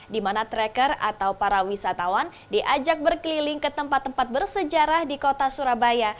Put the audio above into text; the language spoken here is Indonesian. di mana tracker atau para wisatawan diajak berkeliling ke tempat tempat bersejarah di kota surabaya